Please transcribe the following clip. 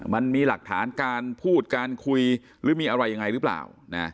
มันมีหลักฐานการพูดการคุยหรือมีอะไรยังไงหรือเปล่า